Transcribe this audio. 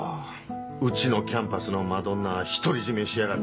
うちのキャンパスのマドンナ独り占めしやがって。